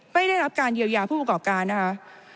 ไม่ได้รับการเยียวยาผู้ประกอบการนะคะ